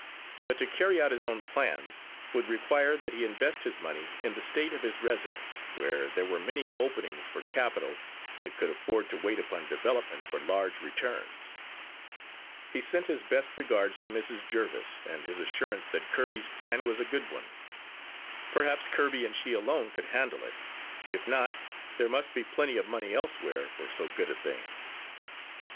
But to carry out his own plans, would require that he invest his money in the State of his residence, where there were many openings for capital that could afford to wait upon development for large returns. He sent his best regards to Mrs. Jerviss, and his assurance that Kirby's plan was a good one. Perhaps Kirby and she alone could handle it; if not, there must be plenty of money elsewhere for so good a thing.